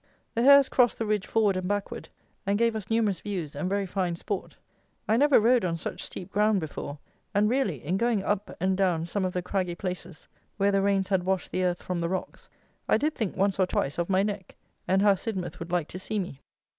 The hares crossed the ridge forward and backward, and gave us numerous views and very fine sport. I never rode on such steep ground before; and really, in going up and down some of the craggy places, where the rains had washed the earth from the rocks, I did think, once or twice, of my neck, and how Sidmouth would like to see me.